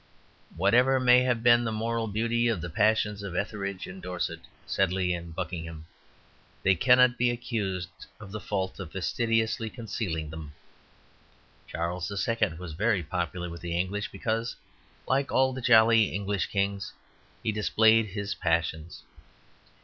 Whatever may have been the moral beauty of the passions of Etheridge and Dorset, Sedley and Buckingham, they cannot be accused of the fault of fastidiously concealing them. Charles the Second was very popular with the English because, like all the jolly English kings, he displayed his passions.